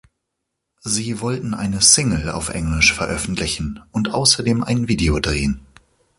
Sie wollten eine Single auf Englisch veröffentlichen und außerdem ein Video drehen.